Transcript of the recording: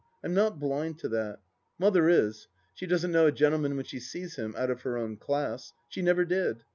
I'm not blind to that. Mother is. She doesn't know a gentleman when she sees him — out of her own class. She never did.